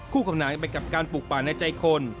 คู่กับหนังไปกับการปลูกป่าในใจคน